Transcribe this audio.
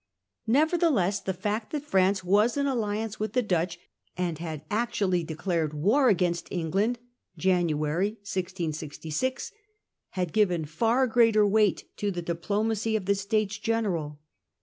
Nevertheless the fact that France was in alliance with the Dutch, and had actually declared war against Diplomatic England (January 1666), had given far greater the Dutch° f weight to the diplomacy of the States General.